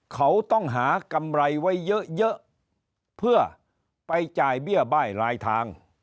เขาต้องหากำไรไว้เยอะเพื่อไปจ่ายเบี้ยบ้ายรายทาง